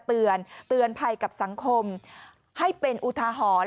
เตือนเตือนภัยกับสังคมให้เป็นอุทาหรณ์